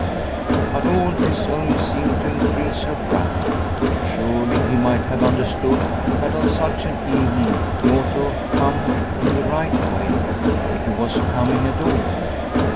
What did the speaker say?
But all this only seemed to increase her wrath. Surely he might have understood that on such an evening he ought to come in the right way if he was coming at all.